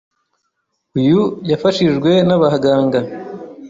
Uyu yafashijwe n’abaganga